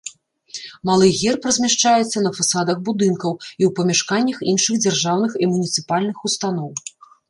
Малы герб размяшчаецца на фасадах будынкаў і ў памяшканнях іншых дзяржаўных і муніцыпальных устаноў.